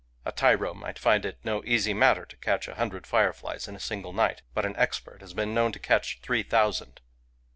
A tyro might find it no easy matter to catch a hundred fireflies in a single night ; but an expert has been known to catch three thou sand.